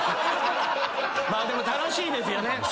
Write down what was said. でも楽しいですよね。